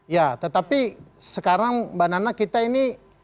ya tetapi sekarang mbak nana kita ini